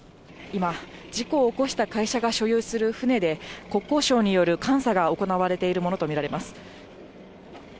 今、事故を起こした会社が所有する船で、国交省による監査が行われているものと見られます。